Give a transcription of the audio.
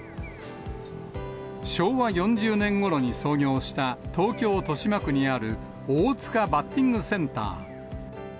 昭和４０年ごろに創業した、東京・豊島区にある大塚バッティングセンター。